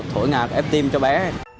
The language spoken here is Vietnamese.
thổi ngạc ép tim cho bé